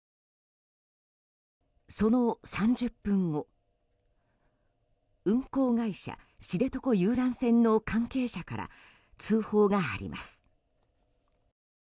その３０分後運航会社、知床遊覧船の関係者から通報があります。